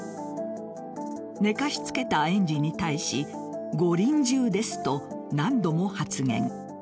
寝かしつけた園児に対しご臨終ですと何度も発言。